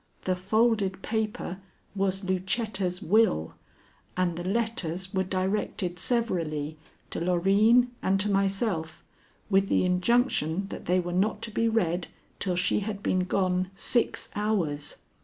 The folded paper was Lucetta's Will, and the letters were directed severally to Loreen and to myself with the injunction that they were not to be read till she had been gone six hours.